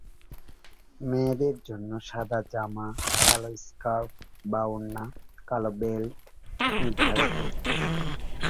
মেয়েদের জন্য সাদা জামা, কালো স্কার্ফ বা ওড়না, কালো বেল্ট নির্ধারিত।